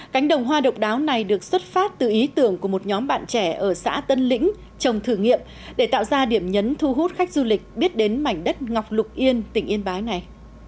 cánh đồng hoa độc đáo này được xuất phát từ ý tưởng của một nhóm bạn trẻ ở xã tân lĩnh trồng thử nghiệm để tạo ra điểm nhấn thu hút khách du lịch biết đến mảnh đất ngọc lục yên tỉnh yên bái này